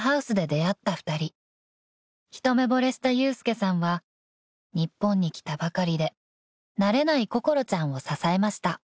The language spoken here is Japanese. ［一目ぼれした祐介さんは日本に来たばかりで慣れない心ちゃんを支えました］